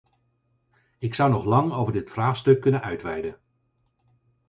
Ik zou nog lang over dit vraagstuk kunnen uitweiden.